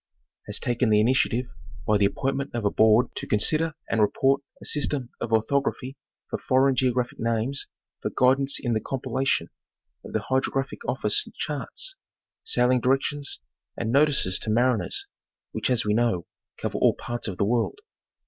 has taken the initiative by the appointment of a board to consider and report a system of orthography for foreign geographic names for guidance in the compilation of the Hydrographic Office charts, sailing directions and notices to mariners, which as we know cover all parts of the world.